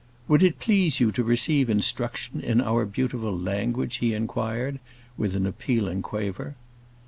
"Would it please you to receive instruction in our beautiful language?" he inquired, with an appealing quaver.